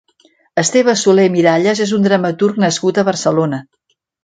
Esteve Soler Miralles és un dramaturg nascut a Barcelona.